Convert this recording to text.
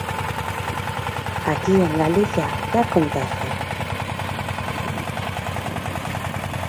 Aquí en Galicia, ¿que acontece?